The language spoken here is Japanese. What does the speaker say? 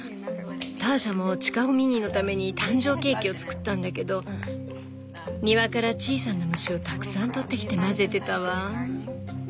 ターシャもチカホミニーのために誕生ケーキを作ったんだけど庭から小さな虫をたくさんとってきて混ぜてたわ。